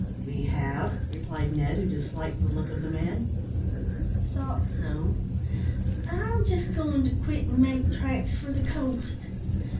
"We have," replied Ned, who disliked the look of the man. "Thought so. I'm jest goin' to quit an' make tracks for the coast.